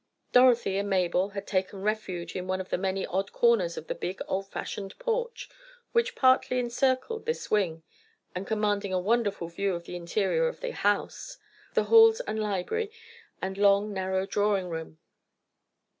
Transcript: Dorothy and Mabel had taken refuge in one of the many odd corners of the big, old fashioned porch, which partly encircled this wing, and commanding a wonderful view of the interior of the house, the halls and library, and long, narrow drawing room.